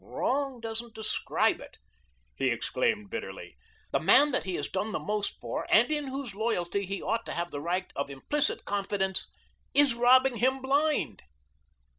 "Wrong doesn't describe it," he exclaimed bitterly. "The man that he has done the most for and in whose loyalty he ought to have the right of implicit confidence, is robbing him blind."